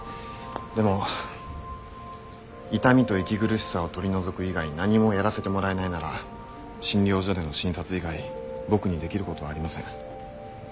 でも痛みと息苦しさを取り除く以外何もやらせてもらえないなら診療所での診察以外僕にできることはありません。